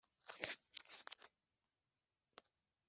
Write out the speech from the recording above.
natekereza kera nkuko ahumura ati: